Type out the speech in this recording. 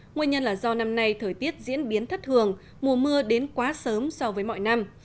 nguyên nhân là do năm nay thời tiết diễn biến thất thường mùa mưa đến quá sớm so với mọi năm